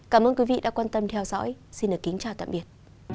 cảm ơn quý vị đã quan tâm theo dõi xin kính chào tạm biệt